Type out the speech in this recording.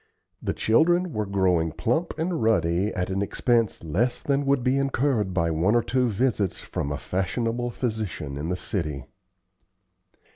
The children were growing plump and ruddy at an expense less than would be incurred by one or two visits from a fashionable physician in the city.